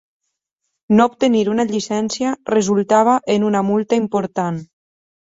No obtenir una llicència resultava en una multa important.